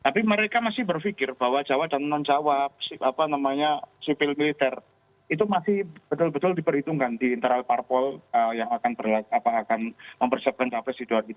tapi mereka masih berpikir bahwa jawa dan non jawa sipil militer itu masih betul betul diperhitungkan di internal parpol yang akan mempersiapkan capres di dua ribu dua puluh